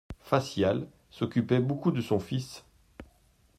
Facial s'occupait beaucoup de son fils.